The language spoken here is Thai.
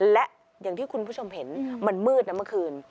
และอย่างที่คุณผู้ชมเห็นมันมืดนะเมื่อคืน